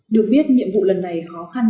được biết nhiệm vụ lần này khó khăn